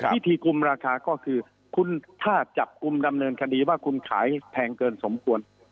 วิธีคุมราคาก็คือคุณถ้าจับกลุ่มดำเนินคดีว่าคุณขายแพงเกินสมควร